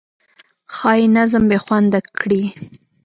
ښایي نظم بې خونده کړي.